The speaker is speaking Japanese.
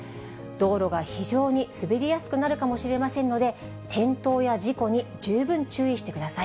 道路が非常に滑りやすくなるかもしれませんので、転倒や事故に十分注意してください。